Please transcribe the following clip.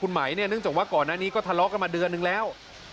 คุณไหมเนี่ยเนื่องจากว่าก่อนหน้านี้ก็ทะเลาะกันมาเดือนนึงแล้ว